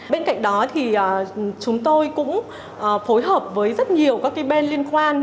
bên cạnh đó thì chúng tôi cũng phối hợp với rất nhiều các bên liên quan